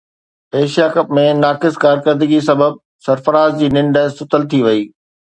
Asia cup ۾ ناقص ڪارڪردگيءَ سبب سرفراز جي ننڊ ستل ٿي وئي